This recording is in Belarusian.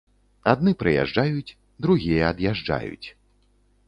Адны прыязджаюць, другія ад'язджаюць.